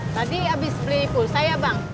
tadi abis beli pulsa ya bang